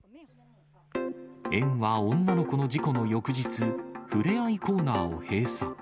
園は女の子の事故の翌日、触れ合いコーナーを閉鎖。